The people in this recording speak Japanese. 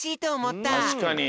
たしかに。